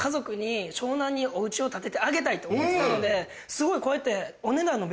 すごいこうやって。